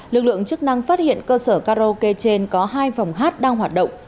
lực lượng chức năng phát hiện cơ sở karaoke trên có hai phòng hát đang hoạt động